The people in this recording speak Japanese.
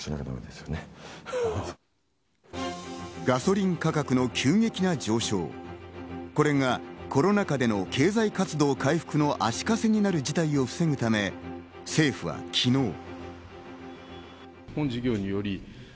ガソリン価格の急激な上昇、これがコロナ禍での経済活動回復の足かせになる事態を防ぐため、政府は昨日。